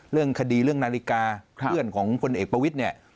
เรื่องคดีเรื่องนาฬิกาเพื่อนของพลเอกประวิทย์เนี่ย